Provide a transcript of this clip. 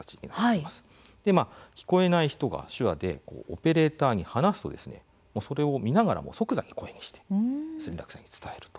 聞こえない人が手話でオペレーターに話すとそれを見ながら即座に声にして通話先に伝えます。